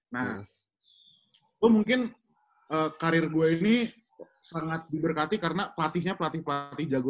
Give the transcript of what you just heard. nah oh mungkin karir gue ini sangat diberkati karena pelatihnya pelatih pelatih jago